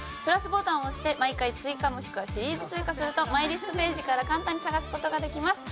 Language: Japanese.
「＋ボタン」を押して「毎回追加」もしくは「シリーズ追加」するとマイリストページから簡単に探す事ができます。